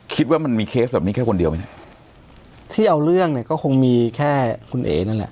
คิดว่ามันมีเคสแบบนี้แค่คนเดียวไหมเนี่ยที่เอาเรื่องเนี่ยก็คงมีแค่คุณเอ๋นั่นแหละ